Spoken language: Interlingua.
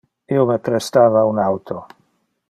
Io me prestava un auto.